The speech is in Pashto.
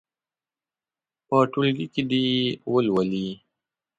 په ټولګي کې دې یې ولولي.